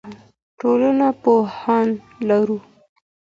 ټولنپوهنه لرو.